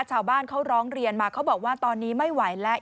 ชาวบ้านเขาร้องเรียนมาเขาบอกว่าตอนนี้ไม่ไหวแล้ว